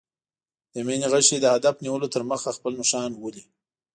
د مینې غشی د هدف نیولو تر مخه خپل نښان ولي.